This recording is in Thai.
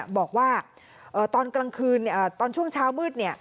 บอกว่าตอนกลางคืนตอนช่วงเช้ามืด